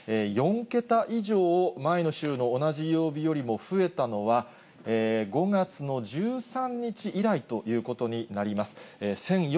４桁以上、前の週の同じ曜日よりも増えたのは、５月の１３日以来ということになります。